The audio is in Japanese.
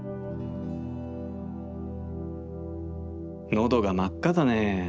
「『喉が真っ赤だね！